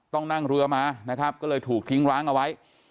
ต้องนั่งเรือมานะครับก็เลยถูกทิ้งร้างเอาไว้